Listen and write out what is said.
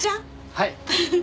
はい。